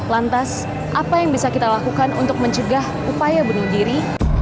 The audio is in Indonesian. lantas apa yang bisa kita lakukan untuk mencegah upaya bunuh diri